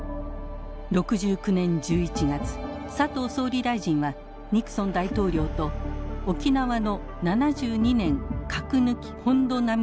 ６９年１１月佐藤総理大臣はニクソン大統領と沖縄の「７２年・核抜き・本土並み」